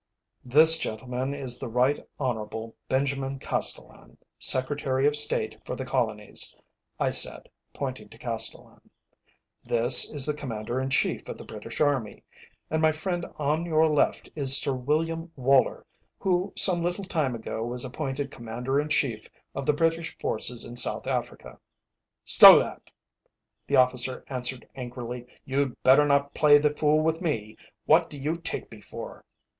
"This gentleman is the Right Honourable Benjamin Castellan, Secretary of State for the Colonies," I said, pointing to Castellan, "this is the Commander in Chief of the British Army, and my friend on your left is Sir William Woller, who some little time ago was appointed Commander in Chief of the British forces in South Africa." "Stow that," the officer answered angrily. "You'd better not play the fool with me. What do you take me for?"